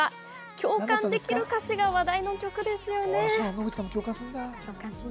共感できる歌詞が話題の曲です